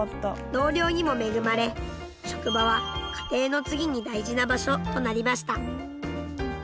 同僚にも恵まれ職場は“家庭の次に大事な場所”となりました。